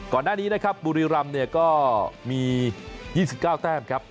ก่อนหน้านี้นะครับบุรีรำเนี่ยก็มี๒๙แต้มครับ